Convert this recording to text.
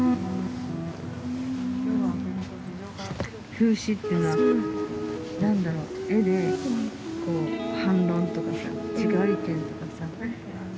風刺っていうのは何だろう絵でこう反論とかさ違う意見とかさ漫画で。